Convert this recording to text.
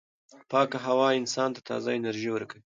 پاکه هوا انسان ته تازه انرژي ورکوي.